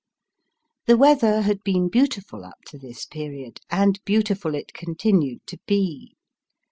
The weather had been beautiful up to this period, and beautiful it continued to be.